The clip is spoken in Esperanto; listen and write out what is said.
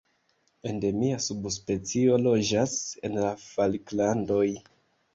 Endemia subspecio loĝas en la Falklandoj.